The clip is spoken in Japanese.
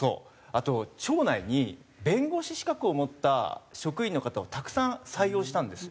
あと庁内に弁護士資格を持った職員の方をたくさん採用したんです。